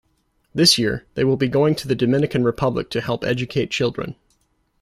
This year, they will be going to the Dominican Republic to help educate children.